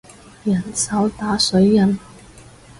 人手打水印